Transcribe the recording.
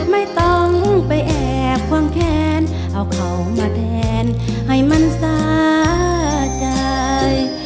ไม่ต้องไปแอบความแค้นเอาเขามาแทนให้มันสาใจ